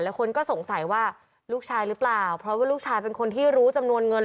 แล้วคนก็สงสัยว่าลูกชายหรือเปล่าเพราะว่าลูกชายเป็นคนที่รู้จำนวนเงิน